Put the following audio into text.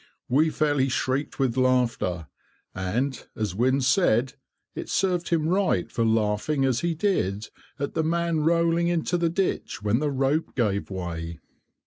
We fairly shrieked with laughter, and, as Wynne said, it served him right, for laughing as he did at the man rolling into the ditch, when the rope gave way.